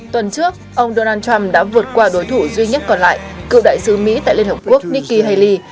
tuần trước ông donald trump đã vượt qua đối thủ duy nhất còn lại cựu đại sứ mỹ tại liên hợp quốc nikki haley